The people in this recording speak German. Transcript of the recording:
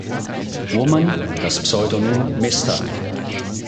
Woman" das Pseudonym „Mr.